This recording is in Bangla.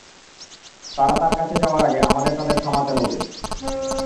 তারা তার কাছে যাওয়ার আগে আমাদের তাদের থামাতে হবে।